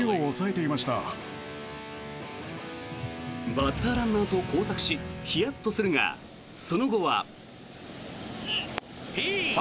バッターランナーと交錯しヒヤッとするがその後は。